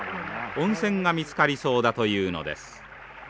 温泉が見つかりそうだというのです。